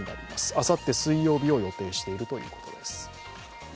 あさって水曜日を予定しているということです。